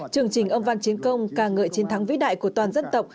chương trình âm văn chiến công ca ngợi chiến thắng vĩ đại của toàn dân tộc